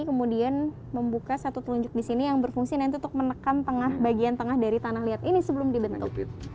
kemudian membuka satu telunjuk di sini yang berfungsi nanti untuk menekan bagian tengah dari tanah liat ini sebelum dibentuk